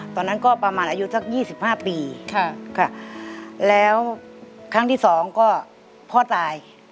ตอนนั้นก็ประมาณอายุสัก๒๕ปีแล้วครั้งที่สองก็พ่อตาย